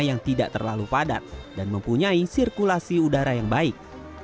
yang tidak terlalu padat dan mempunyai sirkulasi udara yang baik